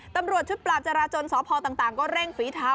ตำรวจชุดปราบจราจนสพต่างก็เร่งฝีเท้า